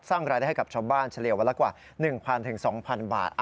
สร้างรายได้ให้กับชาวบ้านเฉลี่ยวันละกว่า๑๐๐๒๐๐บาท